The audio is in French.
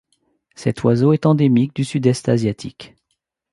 Cet oiseau est endémique du sud-est asiatique.